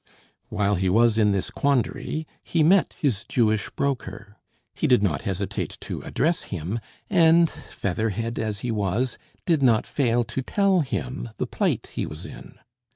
While he was in this quandary, he met his Jewish broker. He did not hesitate to address him, and, featherhead as he was, did not fail to tell him the plight he was in.